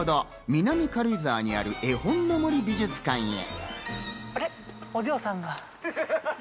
南軽井沢にある絵本の森美術館へ。